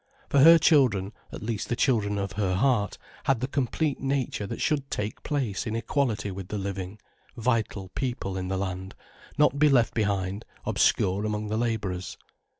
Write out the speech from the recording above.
For her children, at least the children of her heart, had the complete nature that should take place in equality with the living, vital people in the land, not be left behind obscure among the labourers.